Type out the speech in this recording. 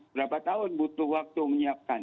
berapa tahun butuh waktu menyiapkan